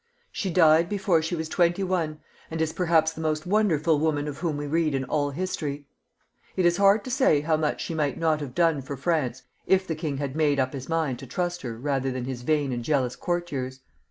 She died before she was twenty one, and is perhaps the most wonderful woman of whom we read in all history. It is hard to say how much she might not have done for Prance, if the king would have made up his mind to trust her sooner than his vain and jealous courtiers.